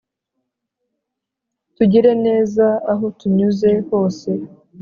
tugire neza aho tunyuze hose